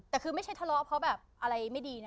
แต่คือไม่ใช่ทะเลาะเพราะแบบอะไรไม่ดีนะ